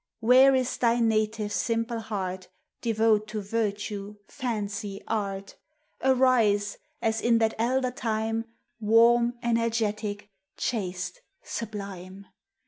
Where is thy native simple heart, Devote to virtue, fancy, art? Arise, as in that elder time, Warm, energetic, chaste, sublime